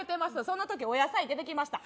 そんな時お野菜出てきました